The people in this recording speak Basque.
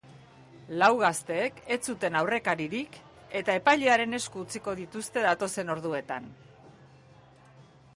Lau gazteek ez zuten aurrekaririk eta epailearen esku utziko dituzte datozen orduetan.